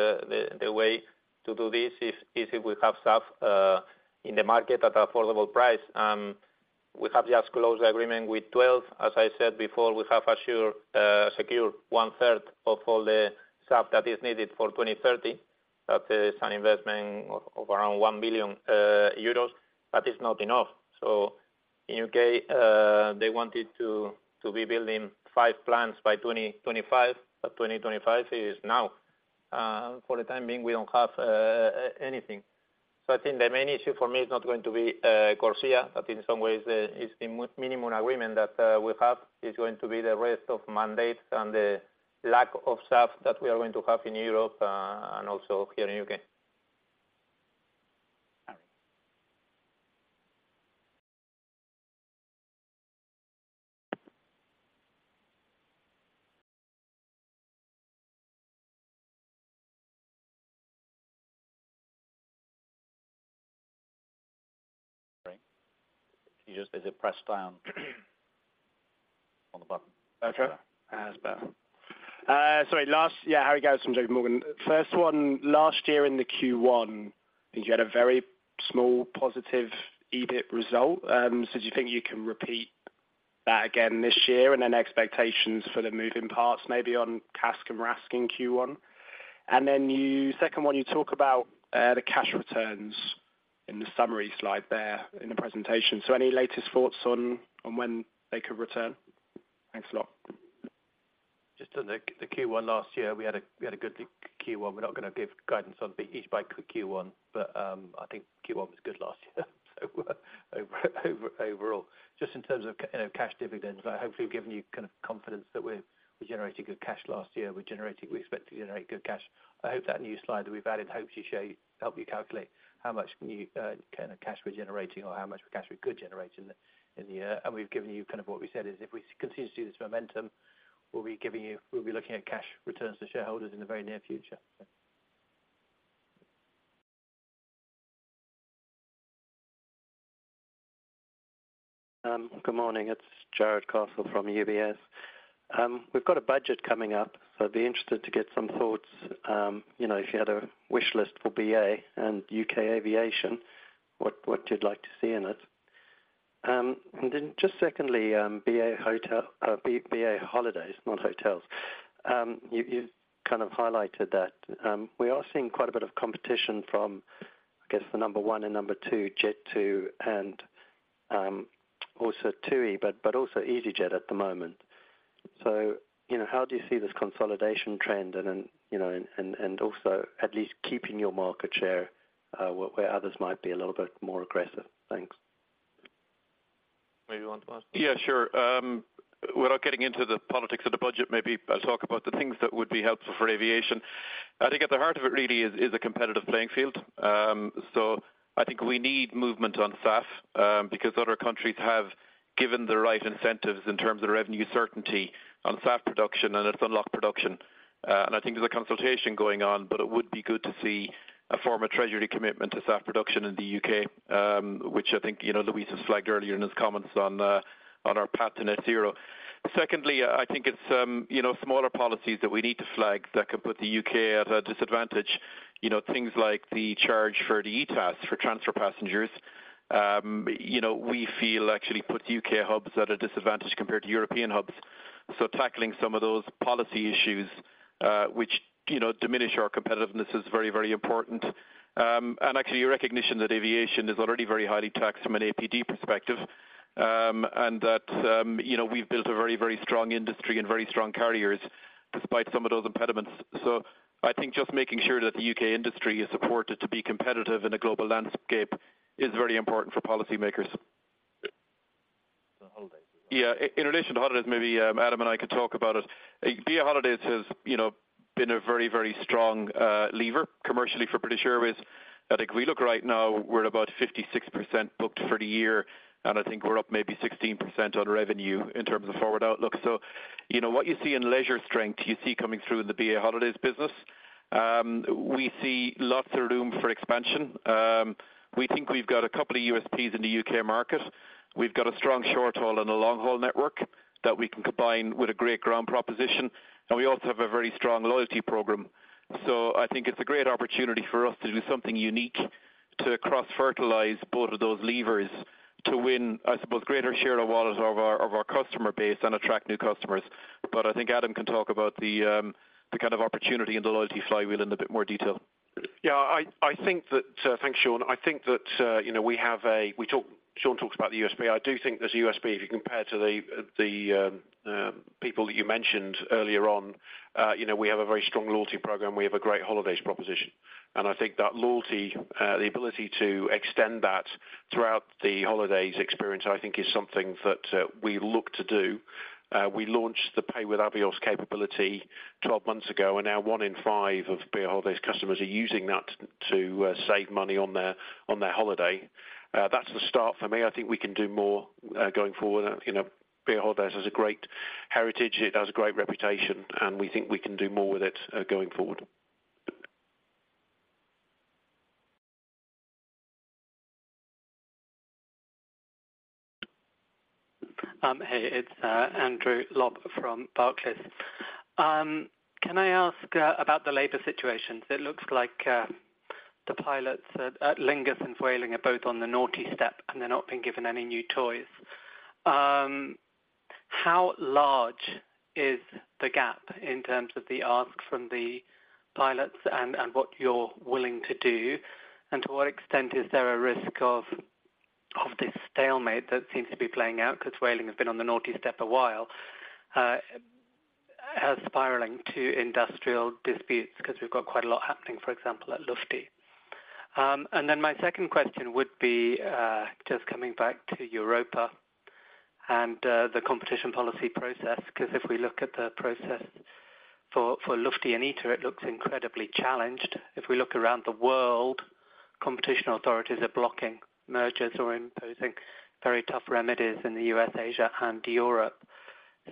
the way to do this is if we have SAF in the market at an affordable price. We have just closed the agreement with 12. As I said before, we have secured one-third of all the SAF that is needed for 2030. That is an investment of around 1 million euros. But it's not enough. So in the U.K., they wanted to be building five plants by 2025. But 2025 is now. For the time being, we don't have anything. So I think the main issue for me is not going to be CORSIA. But in some ways, the minimum agreement that we have is going to be the rest of mandates and the lack of SAF that we are going to have in Europe and also here in the UK. Sorry. Can you just is it pressed down on the button? Okay. As best. Sorry, last yeah, Harry Gowers from JPMorgan. First one, last year in the Q1, I think you had a very small positive EBIT result. So do you think you can repeat that again this year? And then expectations for the moving parts, maybe on CASK and RASK in Q1. And then you second one, you talk about the cash returns in the summary slide there in the presentation. Any latest thoughts on when they could return? Thanks a lot. Just on the Q1 last year, we had a good Q1. We're not going to give guidance on each by Q1. I think Q1 was good last year, overall. Just in terms of cash dividends, I hope we've given you kind of confidence that we're generating good cash last year. We're expected to generate good cash. I hope that new slide that we've added helps you calculate how much kind of cash we're generating or how much cash we could generate in the year. We've given you kind of what we said is if we continue to see this momentum, we'll be looking at cash returns to shareholders in the very near future. Good morning. It's Jarrod Castle from UBS. We've got a budget coming up. I'd be interested to get some thoughts. If you had a wish list for BA and U.K. aviation, what you'd like to see in it. And then just secondly, BA Holidays, not hotels. You kind of highlighted that. We are seeing quite a bit of competition from, I guess, the number one and number two, Jet2, and also TUI, but also EasyJet at the moment. So how do you see this consolidation trend and also at least keeping your market share where others might be a little bit more aggressive? Thanks. Maybe you want to answer? Yeah, sure. Without getting into the politics of the budget, maybe I'll talk about the things that would be helpful for aviation. I think at the heart of it really is a competitive playing field. So I think we need movement on SAF because other countries have given the right incentives in terms of revenue certainty on SAF production and its unlock production. And I think there's a consultation going on, but it would be good to see a former treasury commitment to SAF production in the U.K., which I think Luis has flagged earlier in his comments on our path to net zero. Secondly, I think it's smaller policies that we need to flag that can put the U.K. at a disadvantage. Things like the charge for the ETAs, for transfer passengers, we feel actually puts U.K. hubs at a disadvantage compared to European hubs. So tackling some of those policy issues, which diminish our competitiveness, is very, very important. And actually, your recognition that aviation is already very highly taxed from an APD perspective and that we've built a very, very strong industry and very strong carriers despite some of those impediments. So I think just making sure that the U.K. industry is supported to be competitive in a global landscape is very important for policymakers. So holidays? Yeah. In relation to holidays, maybe Adam and I could talk about it. BA Holidays has been a very, very strong lever commercially for British Airways. I think if we look right now, we're about 56% booked for the year. And I think we're up maybe 16% on revenue in terms of forward outlook. So what you see in leisure strength, you see coming through in the BA Holidays business. We see lots of room for expansion. We think we've got a couple of USPs in the U.K. market. We've got a strong short-haul and a long-haul network that we can combine with a great ground proposition. We also have a very strong loyalty program. I think it's a great opportunity for us to do something unique to cross-fertilize both of those levers to win, I suppose, greater share of the wallet of our customer base and attract new customers. But I think Adam can talk about the kind of opportunity and the loyalty flywheel in a bit more detail. Yeah, I think that. Thanks, Sean. I think that, as Sean talks about the USP. I do think there's a USP, if you compare to the people that you mentioned earlier on. We have a very strong loyalty program. We have a great holidays proposition. And I think that loyalty, the ability to extend that throughout the holidays experience, I think is something that we look to do. We launched the Pay with Avios capability 12 months ago, and now one in five of BA Holidays customers are using that to save money on their holiday. That's the start for me. I think we can do more going forward. BA Holidays has a great heritage. It has a great reputation, and we think we can do more with it going forward. Hey, it's Andrew Lobbenberg from Barclays. Can I ask about the labor situation? It looks like the pilots at Aer Lingus and Vueling are both on the naughty step, and they're not being given any new toys. How large is the gap in terms of the ask from the pilots and what you're willing to do? To what extent is there a risk of this stalemate that seems to be playing out because Vueling has been on the naughty step a while, spiraling to industrial disputes because we've got quite a lot happening, for example, at Lufthansa? And then my second question would be just coming back to Air Europa and the competition policy process because if we look at the process for Lufthansa and ITA, it looks incredibly challenged. If we look around the world, competition authorities are blocking mergers or imposing very tough remedies in the U.S., Asia, and Europe.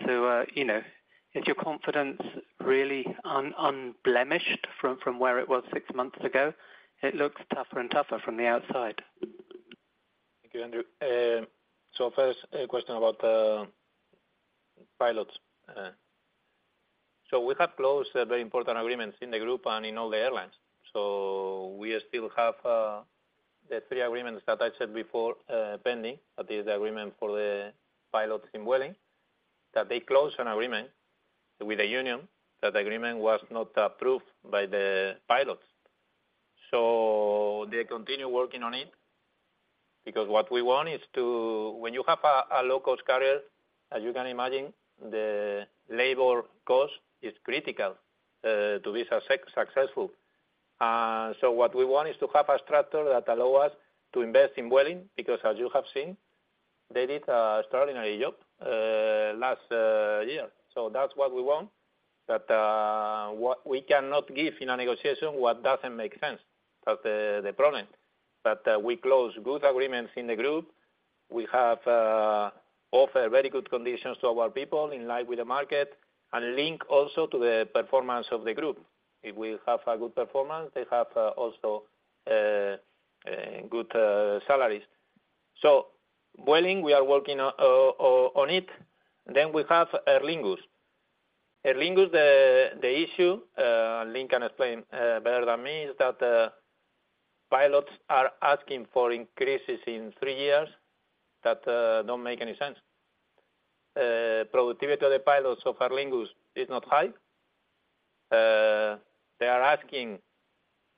So is your confidence really unblemished from where it was six months ago? It looks tougher and tougher from the outside. Thank you, Andrew. So first, a question about pilots. So we have closed very important agreements in the group and in all the airlines. So we still have the three agreements that I said before pending. That is the agreement for the pilots in Vueling, that they closed an agreement with the union, that the agreement was not approved by the pilots. So they continue working on it because what we want is to when you have a low-cost carrier, as you can imagine, the labor cost is critical to be successful. So what we want is to have a structure that allows us to invest in Vueling because, as you have seen, they did an extraordinary job last year. So that's what we want. But we cannot give in a negotiation what doesn't make sense. That's the problem. But we closed good agreements in the group. We have offered very good conditions to our people in line with the market and link also to the performance of the group. If we have a good performance, they have also good salaries. So Vueling, we are working on it. Then we have Aer Lingus. Aer Lingus, the issue Lynn can explain better than me is that pilots are asking for increases in three years that don't make any sense. Productivity of the pilots of Aer Lingus is not high. They are asking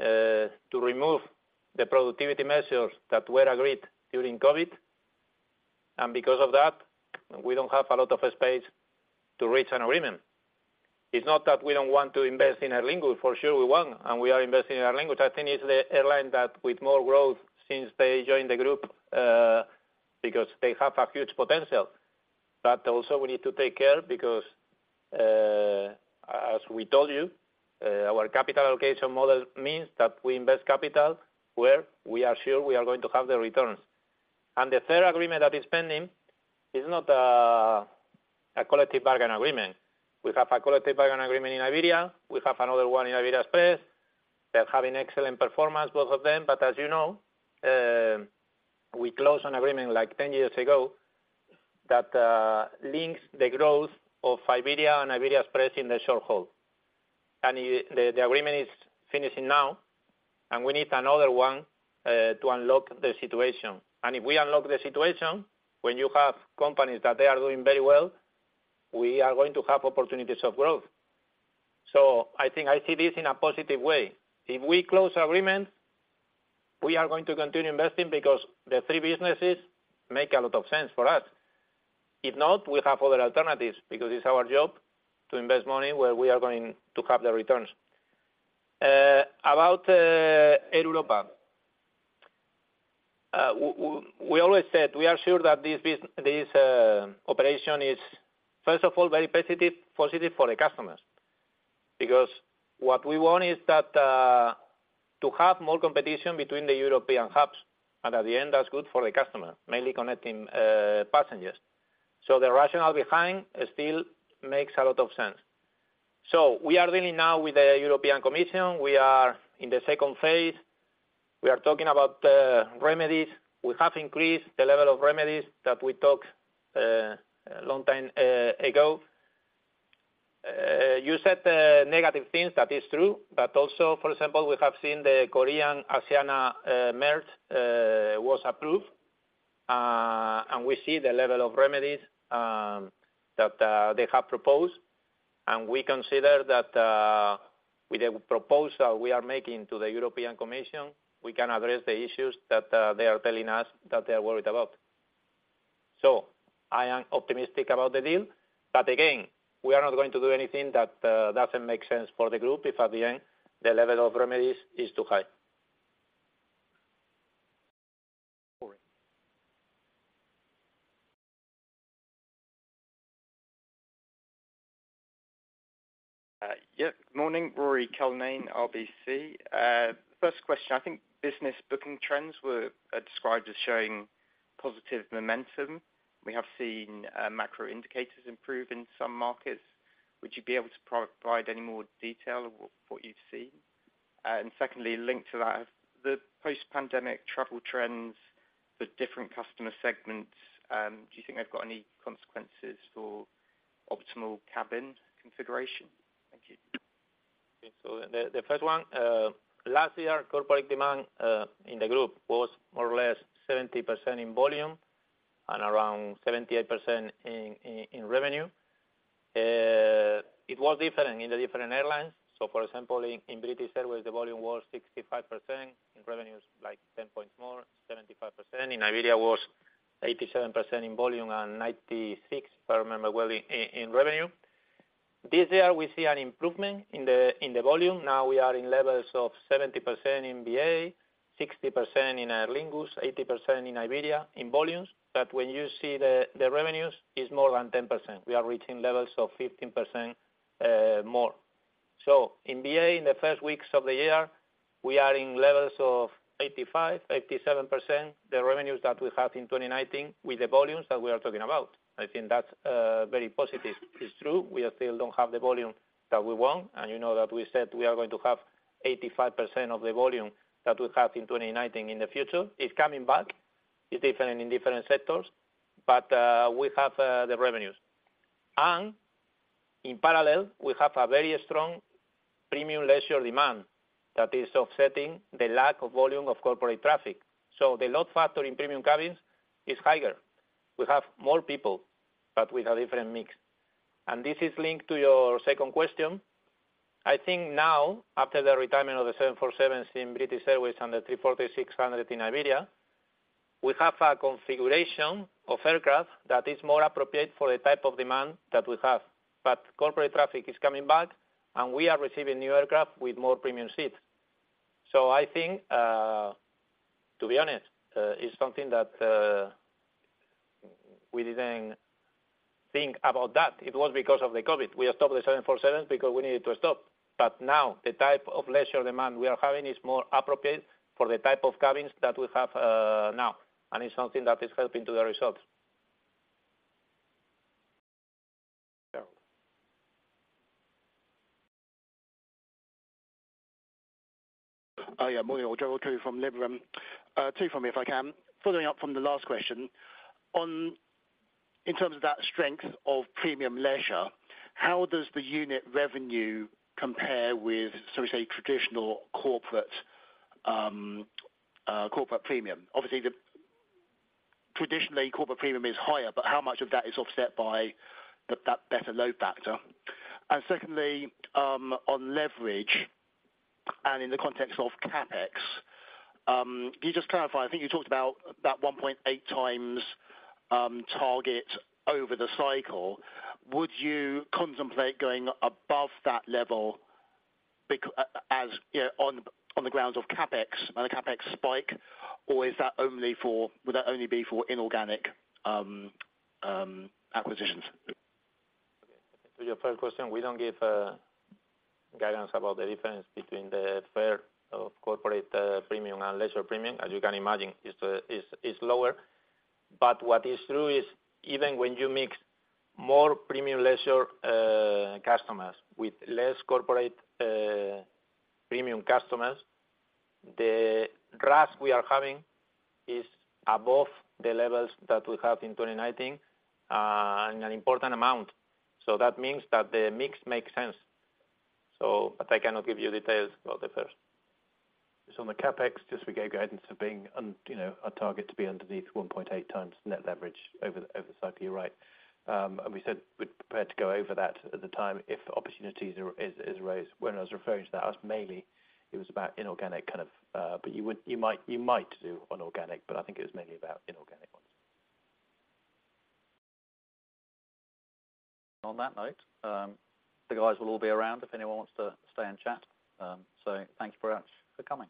to remove the productivity measures that were agreed during COVID. And because of that, we don't have a lot of space to reach an agreement. It's not that we don't want to invest in Aer Lingus. For sure, we want, and we are investing in Aer Lingus. I think it's the airline that, with more growth since they joined the group, because they have a huge potential. But also, we need to take care because, as we told you, our capital allocation model means that we invest capital where we are sure we are going to have the returns. And the third agreement that is pending is not a collective bargaining agreement. We have a collective bargaining agreement in Iberia. We have another one in Iberia Express. They're having excellent performance, both of them. But as you know, we closed an agreement like 10 years ago that links the growth of Iberia and Iberia Express in the short haul. And the agreement is finishing now, and we need another one to unlock the situation. And if we unlock the situation, when you have companies that they are doing very well, we are going to have opportunities of growth. So I think I see this in a positive way. If we close agreements, we are going to continue investing because the three businesses make a lot of sense for us. If not, we have other alternatives because it's our job to invest money where we are going to have the returns. About Air Europa, we always said we are sure that this operation is, first of all, very positive for the customers because what we want is to have more competition between the European hubs. And at the end, that's good for the customer, mainly connecting passengers. So the rationale behind still makes a lot of sense. So we are dealing now with the European Commission. We are in the second phase. We are talking about remedies. We have increased the level of remedies that we talked a long time ago. You said negative things. That is true. But also, for example, we have seen the Korean-Asiana merger was approved. And we see the level of remedies that they have proposed. And we consider that with the proposal we are making to the European Commission, we can address the issues that they are telling us that they are worried about. So I am optimistic about the deal. But again, we are not going to do anything that doesn't make sense for the group if, at the end, the level of remedies is too high. Yeah. Good morning. Ruairi Cullinane, RBC. First question. I think business booking trends were described as showing positive momentum. We have seen macro indicators improve in some markets. Would you be able to provide any more detail of what you've seen? And secondly, linked to that, the post-pandemic travel trends for different customer segments, do you think they've got any consequences for optimal cabin configuration? Thank you. So the first one, last year, corporate demand in the group was more or less 70% in volume and around 78% in revenue. It was different in the different airlines. So, for example, in British Airways, the volume was 65%. In revenues, like 10 points more, 75%. In Iberia, it was 87% in volume and 96%, if I remember well, in revenue. This year, we see an improvement in the volume. Now, we are in levels of 70% in BA, 60% in Aer Lingus, 80% in Iberia in volumes. But when you see the revenues, it's more than 10%. We are reaching levels of 15% more. So in BA, in the first weeks of the year, we are in levels of 85%, 87%, the revenues that we have in 2019 with the volumes that we are talking about. I think that's very positive. It's true. We still don't have the volume that we want. And you know that we said we are going to have 85% of the volume that we have in 2019 in the future. It's coming back. It's different in different sectors. But we have the revenues. And in parallel, we have a very strong premium leisure demand that is offsetting the lack of volume of corporate traffic. So the load factor in premium cabins is higher. We have more people, but we have a different mix. And this is linked to your second question. I think now, after the retirement of the 747s in British Airways and the A340-600 in Iberia, we have a configuration of aircraft that is more appropriate for the type of demand that we have. But corporate traffic is coming back, and we are receiving new aircraft with more premium seats. So I think, to be honest, it's something that we didn't think about that. It was because of the COVID. We stopped the 747s because we needed to stop. But now, the type of leisure demand we are having is more appropriate for the type of cabins that we have now. And it's something that is helping to the results. Hi, I'm Munir Sheridan from Liberum. Two from me, if I can. Following up from the last question, in terms of that strength of premium leisure, how does the unit revenue compare with, shall we say, traditional corporate premium? Obviously, traditionally, corporate premium is higher, but how much of that is offset by that better load factor? And secondly, on leverage and in the context of CapEx, can you just clarify? I think you talked about that 1.8x target over the cycle. Would you contemplate going above that level on the grounds of CapEx and the CapEx spike? Or would that only be for inorganic acquisitions? Okay. To your first question, we don't give guidance about the difference between the fare of corporate premium and leisure premium. As you can imagine, it's lower. But what is true is, even when you mix more premium leisure customers with less corporate premium customers, the RASK we are having is above the levels that we have in 2019 and an important amount. So that means that the mix makes sense. But I cannot give you details about the first. So on the CapEx, just we gave guidance of being a target to be underneath 1.8x net leverage over the cycle. You're right. And we said we'd prepare to go over that at the time if opportunities arose. When I was referring to that, mainly, it was about inorganic kind of but you might do on organic. But I think it was mainly about inorganic ones. On that note, the guys will all be around if anyone wants to stay and chat. So thank you very much for coming.